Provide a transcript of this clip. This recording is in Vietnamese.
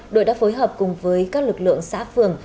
đội đã phối hợp cùng với các lực lượng xã phường